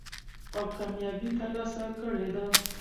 او کاميابي تر لاسه کړې ده.